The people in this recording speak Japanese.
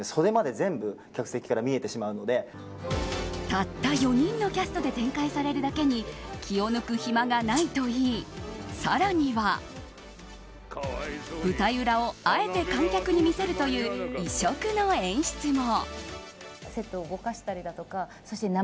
たった４人のキャストで展開されるだけに気を抜く暇がないといい更には舞台裏をあえて観客に見せるという異色の演出も。